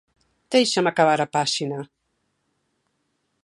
Déixame acabar a páxina.